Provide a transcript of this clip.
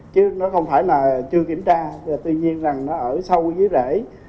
chứ nó không phải là chưa kiểm tra tuy nhiên rằng nó ở sâu dưới rễ